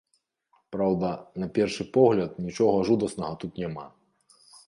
Праўда, на першы погляд, нічога жудаснага тут няма.